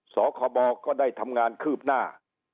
ศข้อบอกก็ได้ทำงานคืบหน้า